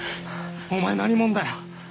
お前何者だよ？